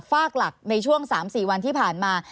ฝากหลักในช่วง๓๔วันที่ผ่านมา